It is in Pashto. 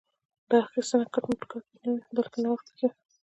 دا اخیستنه کټ مټ کاپي نه وي بلکې نوښت پکې وي